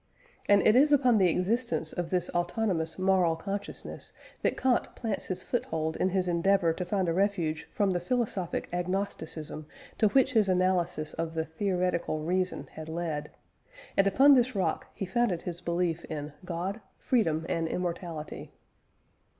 And it is upon the existence of this autonomous moral consciousness that Kant plants his foothold in his endeavour to find a refuge from the philosophic agnosticism to which his analysis of the "theoretical reason" had led; and upon this rock he founded his belief in "God, Freedom, and Immortality."